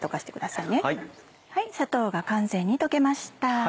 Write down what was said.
はい砂糖が完全に溶けました。